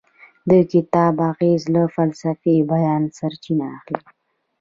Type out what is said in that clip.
د کتاب اغیز له فلسفي بیانه سرچینه اخلي.